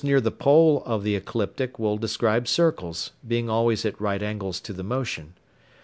Those near the pole of the ecliptic will describe circles, being always at right angles to the motion.